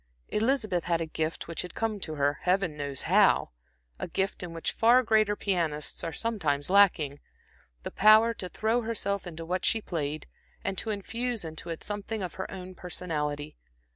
Elizabeth had a gift which had come to her, Heaven knows how! a gift in which far greater pianists are sometimes lacking the power to throw herself into what she played and to infuse into it something of her own personality.